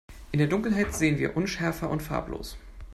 In der Dunkelheit sehen wir unschärfer und farblos.